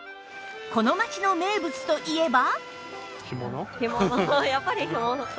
この街の名物といえば